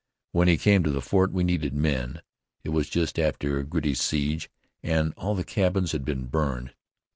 When he came to the fort we needed men. It was just after Girty's siege, and all the cabins had been burned.